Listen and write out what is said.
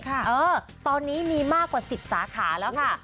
เออตอนนี้มีมากกว่า๑๐สาขาแล้วค่ะ